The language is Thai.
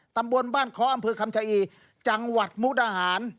ตำบลบ้านเคาะอำเภอคำชะอีจังหวัดมุกดาหาร